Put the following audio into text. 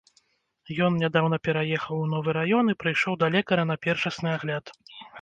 Ён нядаўна пераехаў у новы раён і прыйшоў да лекара на першасны агляд.